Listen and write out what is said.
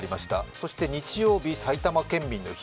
そして日曜日、埼玉県民の日。